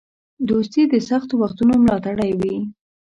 دوستي د سختو وختونو ملاتړی وي.